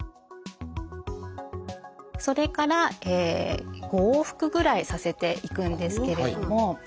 それから５往復ぐらいさせていくんですけれども。